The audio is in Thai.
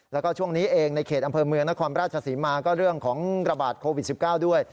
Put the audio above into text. แล้วก็ช่วงนี้เองในเขตอำเภอเมืองนครราชศรีมาก็เรื่องของระบาดโควิด๑๙ด้วย